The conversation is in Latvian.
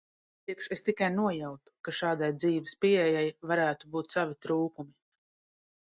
Iepriekš es tikai nojautu, ka šādai dzīves pieejai varētu būt savi trūkumi.